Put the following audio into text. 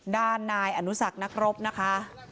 ด้านนายอนุสักนักรบนะคะ